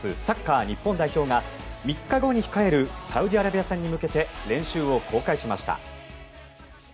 サッカー日本代表が３日後に控えるサウジアラビア戦に向けて練習を公開しました。